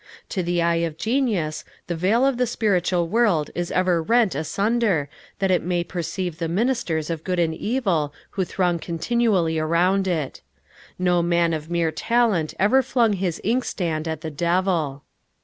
To the eye of genius, the veil of the spiritual world is ever rent asunder that it may perceive the ministers of good and evil who throng continually around it. No man of mere talent ever flung his inkstand at the devil.